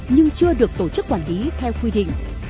nhưng chưa được tổ chức quản lý theo quy định